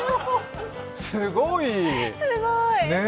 すごーい。